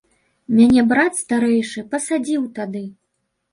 Мяне брат старэйшы падсадзіў тады.